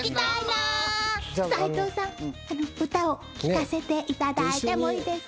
斉藤さん歌を聴かせていただいてもいいですか？